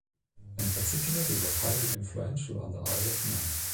In particular, they were heavily influential on the Isle of Man.